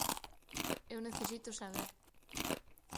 Eu necesito saber.